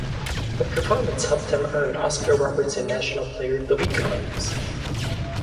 The performance helped him earn Oscar Robertson National Player of the Week honors.